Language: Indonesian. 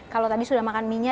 kalau tadi sudah makan mie nya